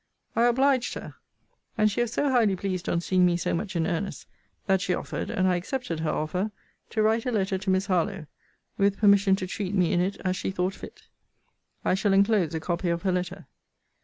I obliged her. And she was so highly pleased on seeing me so much in earnest, that she offered, and I accepted her offer, to write a letter to Miss Harlowe; with permission to treat me in it as she thought fit. I shall enclose a copy of her letter.